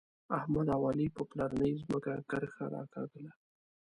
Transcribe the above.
احمد او علي په پلارنۍ ځمکه کرښه راکاږله.